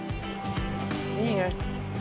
นี่ไง